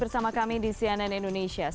sian dan indonesia